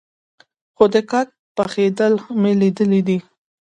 خو د کاک پخېدل مې ليدلي دي.